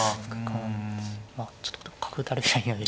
まあちょっと角打たれないように。